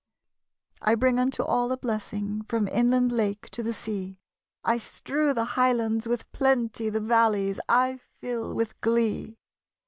I bring unto all a blessing From inland lake to the sea; I strew the highlands with plenty, The valleys I fill with glee.